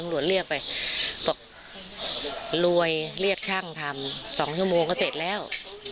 เรียกไปบอกรวยเรียกช่างทำ๒ชั่วโมงก็เสร็จแล้ว